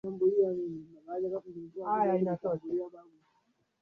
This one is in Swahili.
viongozi kadha wa kadha wamewekwa chini ya ulinzi